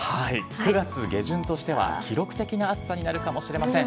９月下旬としては記録的な暑さになるかもしれません。